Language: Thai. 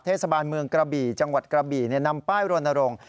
เทศบาลเมืองกระบี่จังหวัดกระบี่นำป้ายโรนโรง